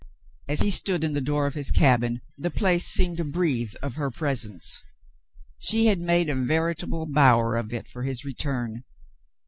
As he stood in the door of his cabin, the place seemed to breathe of her presence. She had made a veritable bower of it for his return.